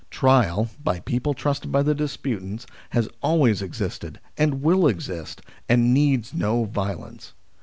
Trial, by people trusted by the disputants, has always existed and will exist, and needs no violence.